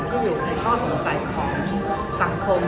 ที่อยู่ในข้อสงสัยของสังคม